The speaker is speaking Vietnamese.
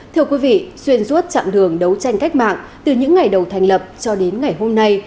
thưa quý vị xuyên suốt chặng đường đấu tranh cách mạng từ những ngày đầu thành lập cho đến ngày hôm nay